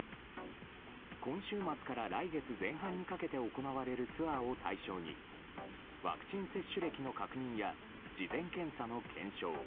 今週末から来月前半にかけて行われるツアーを対象にワクチン接種歴の確認や事前検査の検証